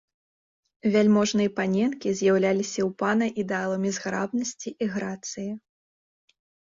Вяльможныя паненкі з'яўляліся ў пана ідэаламі зграбнасці і грацыі.